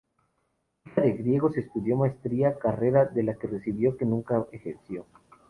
Hija de griegos, estudió maestría, carrera de la que se recibió pero nunca ejerció.